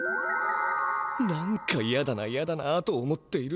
何かいやだないやだなと思っていると。